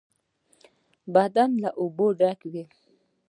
بدنۍ له اوبو ډکه وه.